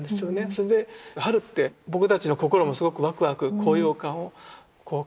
それで春って僕たちの心もすごくワクワク高揚感をこう感じて。